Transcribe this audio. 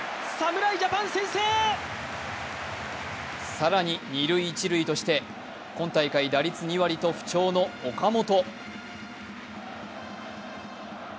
更に、二塁・一塁として今大会、打率２割と不調の岡本。